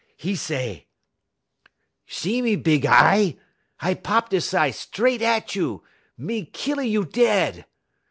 'E say: "'See me big y eye? I pop dis y eye stret at you, me kill a you dead.